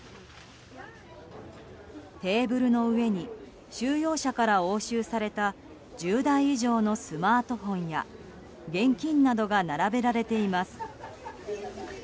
テーブルの上に収容者から押収された１０台以上のスマートフォンや現金などが並べられています。